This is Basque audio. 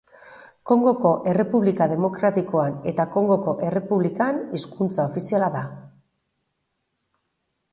Kongoko Errepublika Demokratikoan eta Kongoko Errepublikan hizkuntza ofiziala da.